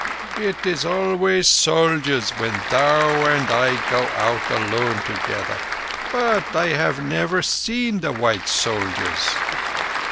"It is always soldiers when thou and I go out alone together. But I have never seen the white soldiers."